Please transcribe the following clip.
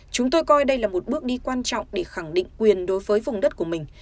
chúng tôi coi đây là một bước đi quan trọng để khẳng định quyền đối với vùng đất của mình